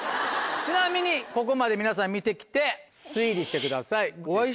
ちなみにここまで皆さん見てきて推理してください。